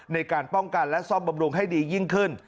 ในการป้องกันและซ่อมบำรุงให้ดียิ่งขึ้น